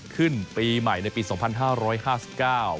ปีใหม่ในปีสองพันห้าร้อยห้าสิบเก้า